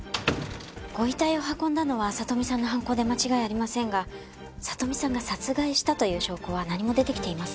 ご遺体を運んだのは里美さんの犯行で間違いありませんが里美さんが殺害したという証拠は何も出てきていません。